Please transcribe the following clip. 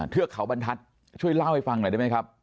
เทือกเขาบรรทัศน์ช่วยเล่าให้ฟังหน่อยได้ไหมครับ